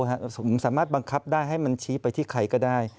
ผมสามารถบังคับได้ให้มันชี้ไปที่ใครก็ได้